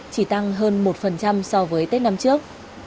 chỉ tăng hơn một so với tết năm trước